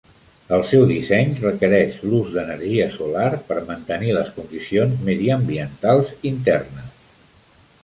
El seu disseny requereix l'ús d'energia solar per mantenir les condicions mediambientals internes.